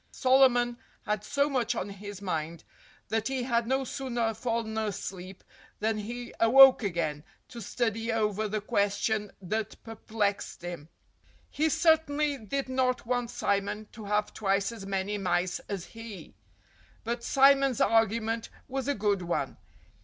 Solomon had so much on his mind that he had no sooner fallen asleep than he awoke again, to study over the question that perplexed him. He certainly did not want Simon to have twice as many mice as he. But Simon's argument was a good one.